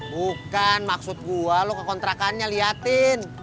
bukan maksud gue lo kekontrakannya liatin